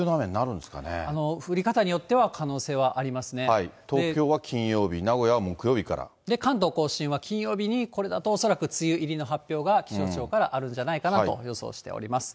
これ、降り方によっては可能性はあ東京は金曜日、名古屋は木曜関東甲信は金曜日にこれだと、恐らく梅雨入りの発表が気象庁からあるんじゃないかなと予想しております。